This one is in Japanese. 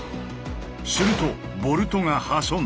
するとボルトが破損。